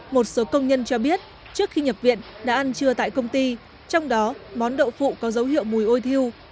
một số công nhân cho biết trước khi nhập viện đã ăn trưa tại công ty trong đó món đậu phụ có dấu hiệu mùi ôi thiêu